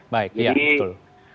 baik iya betul